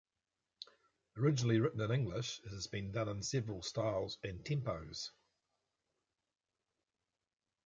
Originally written in English, it has been done in several styles and tempos.